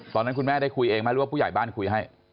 ตอนนั้นคุณแม่ได้คุยเองไหมหรือว่าผู้ใหญ่บ้านคุยให้